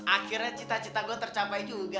akhirnya cita cita gue tercapai juga